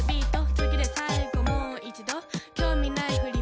次で最後もう一度興味ないふり？